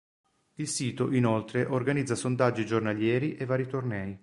Il sito inoltre organizza sondaggi giornalieri e vari tornei.